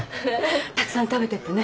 たくさん食べてってね。